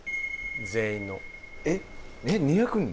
全員のえっ２００人？